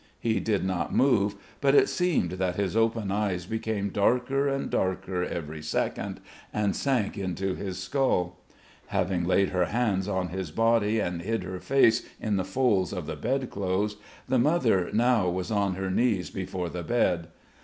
He did not move, but it seemed that his open eyes became darker and darker every second and sank into his skull. Having laid her hands on his body and hid her face in the folds of the bed clothes, the mother now was on her knees before the bed.